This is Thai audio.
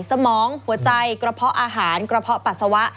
สมองหัวใจกระเพาะอาหารกระเพาะปัสสาวะ